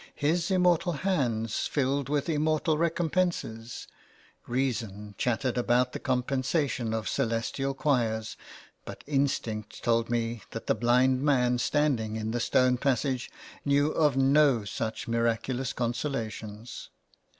His immortal hands filled with immortal recompenses ; reason chattered about the compensation of celestial choirs, but instinct told me that the blind man standing in the stone passage knew of no such miraculous consolations.